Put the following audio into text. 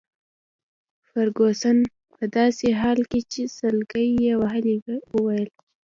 فرګوسن په داسي حال کي چي سلګۍ يې وهلې وویل.